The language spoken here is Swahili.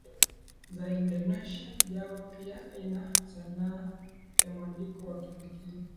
za Indonesian Jawa pia ina sanaa ya mwandiko wa kipekee